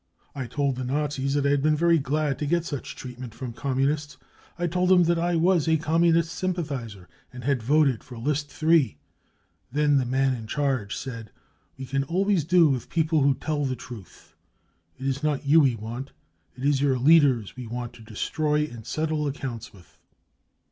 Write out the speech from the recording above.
I told the Nazis that I had been very glad to get such treatment from Communists. I told them that I was a Communist sympathiser and had voted List 3. Then the man in charge said : e We can always do with people who tell the truth. It is not you we want, it is your leaders we want to destroy and settle accounts with.